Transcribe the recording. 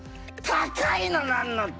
高いのなんのって。